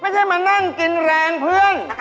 ไม่ใช่มานั่งกินแรงเพื่อน